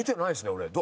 俺。